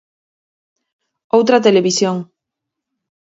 Outra televisión.